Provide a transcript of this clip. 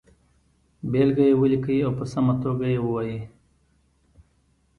بېلګه یې ولیکئ او په سمه توګه یې ووایئ.